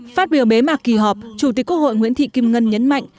phát biểu bế mạc kỳ họp chủ tịch quốc hội nguyễn thị kim ngân nhấn mạnh